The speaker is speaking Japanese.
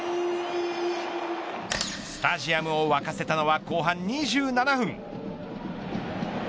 スタジアムを沸かせたのは後半２７分。